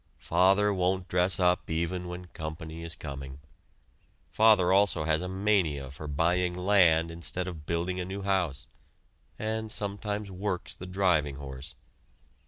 Father won't dress up even when company is coming. Father also has a mania for buying land instead of building a new house; and sometimes works the driving horse.